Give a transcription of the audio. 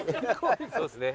そうですね。